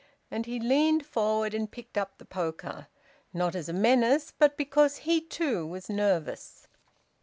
And he leaned forward and picked up the poker, not as a menace, but because he too was nervous.